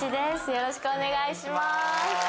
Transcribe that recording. よろしくお願いします